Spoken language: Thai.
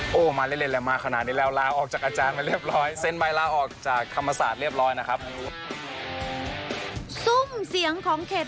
ซุ่มเสียงของเขตรัฐเหล่าธรรมทัศน์